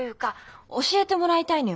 教えてもらいたいのよ。